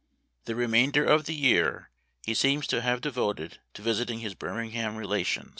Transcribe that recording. The remainder of the year he seems to have devoted to visiting his Birmingham relation?